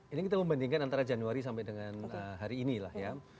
ini kita membandingkan antara januari sampai dengan hari ini lah ya